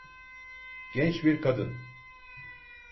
Genç bir kadın.